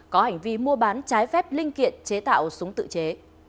có hành vi mua bán trái phép linh kiện chế tạo súng tự chế